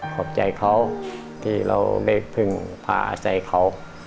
ขอบใจเขาที่เราเบรกพึ่งผ่าใส่เขา